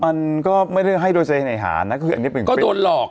มันก็ไม่ได้เชื่อให้โดยเสน่หาอันนี้เลยเป็น